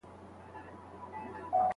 پلان د بریالیتوب په لور لومړی ګام دی.